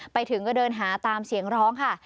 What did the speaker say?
ไปถึงก็เดินหาตามเสียงร้องค่ะ